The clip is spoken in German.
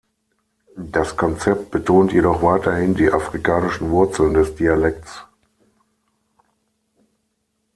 Das Konzept betont jedoch weiterhin die afrikanischen Wurzeln des Dialekts.